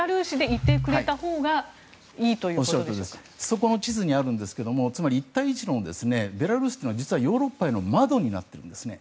その地図にあるとおり一帯一路のベラルーシというのは実はヨーロッパへの窓になっているんですね。